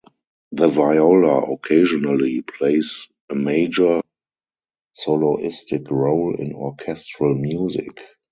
The viola occasionally plays a major, soloistic role in orchestral music.